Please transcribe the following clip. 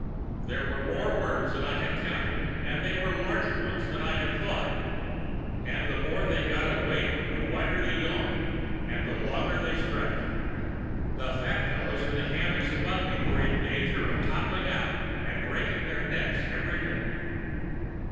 There were more worms than I had counted, and they were larger ones than I had thought. And the more they got awake the wider they yawned, and the longer they stretched. The fat fellows in the hammocks above me were in danger of toppling out and breaking their necks every minute.